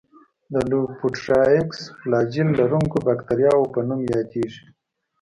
د لوفوټرایکس فلاجیل لرونکو باکتریاوو په نوم یادیږي.